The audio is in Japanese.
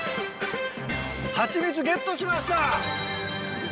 ハチミツゲットしました！